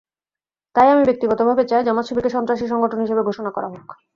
তাই আমি ব্যক্তিগতভাবে চাই, জামায়াত-শিবিরকে সন্ত্রাসী সংগঠন হিসেবে ঘোষণা করা হোক।